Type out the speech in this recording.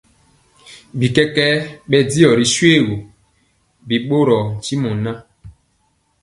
Bi kɛkɛɛ bɛdiɔ ri shoégu, bi ɓorɔɔ ntimɔ ŋan,